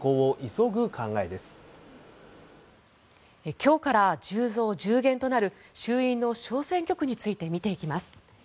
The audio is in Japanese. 今日から１０増１０減となる衆院の小選挙区について見ていきます。